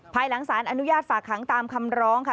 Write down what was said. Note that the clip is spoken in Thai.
ภายหลังสารอนุญาตฝากหางตามคำร้องค่ะ